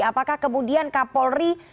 apakah kemudian kak polri